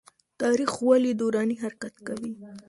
تاريخ ولي دوراني حرکت کوي؟